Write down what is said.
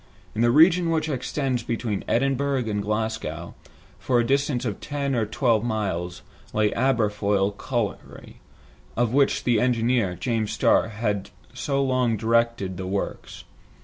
In the region which extends between Edinburgh and Glasgow, for a distance of ten or twelve miles, lay the Aberfoyle colliery, of which the engineer, James Starr, had so long directed the works.